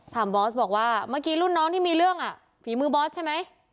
บอสบอกว่าเมื่อกี้รุ่นน้องที่มีเรื่องอ่ะฝีมือบอสใช่ไหม